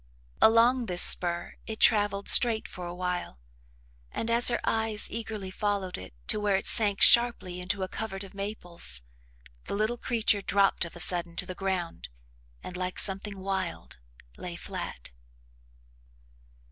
Along this spur it travelled straight for a while and, as her eyes eagerly followed it to where it sank sharply into a covert of maples, the little creature dropped of a sudden to the ground and, like something wild, lay flat.